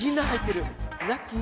ラッキー。